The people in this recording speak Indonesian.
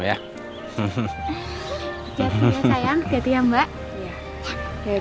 siap ya sayang siap ya mbak